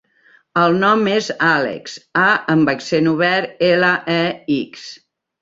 El nom és Àlex: a amb accent obert, ela, e, ics.